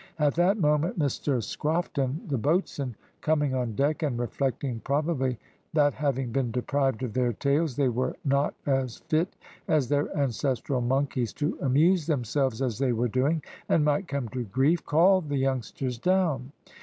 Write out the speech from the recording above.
At that moment Mr Scrofton, the boatswain, coming on deck, and reflecting probably that having been deprived of their tails, they were not as fit as their ancestral monkeys to amuse themselves as they were doing, and might come to grief, called the youngsters down.